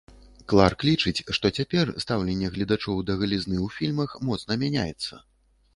Кларк лічыць, што цяпер стаўленне гледачоў да галізны ў фільмах моцна мяняецца.